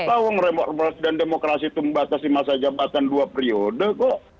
tolong reformasi dan demokrasi itu membatasi masa jabatan dua periode kok